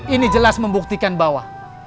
ini jelas membuktikan bahwa